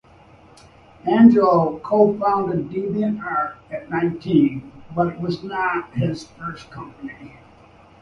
Angelo co-founded DeviantArt at nineteen, but it was not his first company.